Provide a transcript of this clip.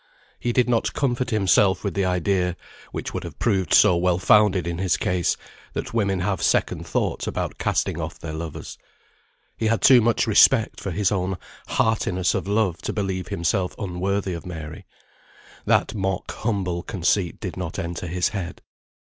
He did not comfort himself with the idea, which would have proved so well founded in his case, that women have second thoughts about casting off their lovers. He had too much respect for his own heartiness of love to believe himself unworthy of Mary; that mock humble conceit did not enter his head.